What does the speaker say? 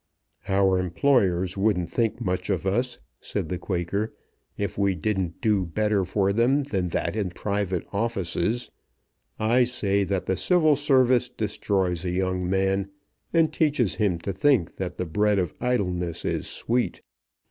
"Our employers wouldn't think much of us," said the Quaker, "if we didn't do better for them than that in private offices. I say that the Civil Service destroys a young man, and teaches him to think that the bread of idleness is sweet.